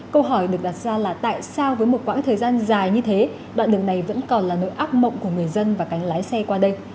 câu hỏi được đặt ra là tại sao với một quãng thời gian dài như thế đoạn đường này vẫn còn là nỗi ác mộng của người dân và cánh lái xe qua đây